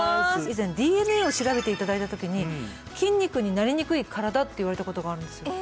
以前ＤＮＡを調べていただいた時に筋肉になりにくい身体って言われたことがあるんです